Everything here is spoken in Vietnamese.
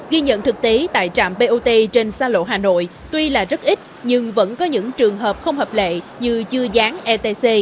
ghi nhận thực tế tại trạm bot trên xa lộ hà nội tuy là rất ít nhưng vẫn có những trường hợp không hợp lệ như chưa dán etc